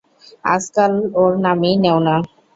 আজকাল ওর নামই নেও না।